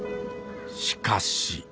しかし。